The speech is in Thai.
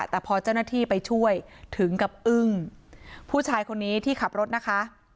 แต่พอเจ้าหน้าที่ไปช่วยถึงกับอึ้งผู้ชายคนนี้ที่ขับรถนะคะ